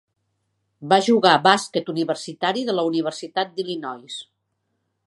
Va jugar bàsquet universitari de la Universitat d'Illinois.